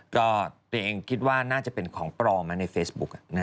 ก็ตัวเองคิดว่าน่าจะเป็นของปลอมในเฟซบุ๊ก